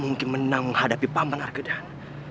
bagi menang menghadapi paman arkedan